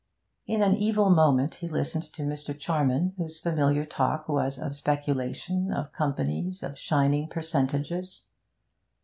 In an evil moment he listened to Mr. Charman, whose familiar talk was of speculation, of companies, of shining percentages.